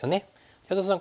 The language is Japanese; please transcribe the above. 安田さん